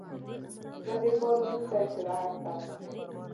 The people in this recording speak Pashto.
زه د کار وروسته استراحت کوم.